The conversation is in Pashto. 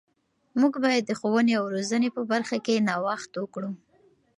موږ باید د ښوونې او روزنې په برخه کې نوښت وکړو.